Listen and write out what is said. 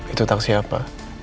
itu taksi apa